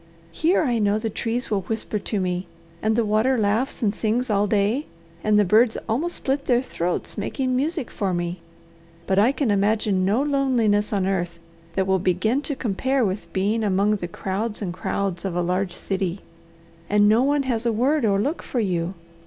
Here I know the trees will whisper to me, and the water laughs and sings all day, and the birds almost split their throats making music for me; but I can imagine no loneliness on earth that will begin to compare with being among the crowds and crowds of a large city and no one has a word or look for you.